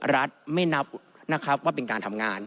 รัฐไม่นับนะครับว่าเป็นการทำงาน